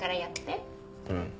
うん。